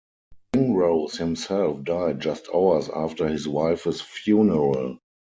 Ringrose himself died just hours after his wife's funeral.